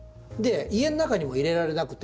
家の中にも入れられなくて。